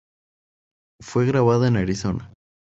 Fue grabada en Arizona.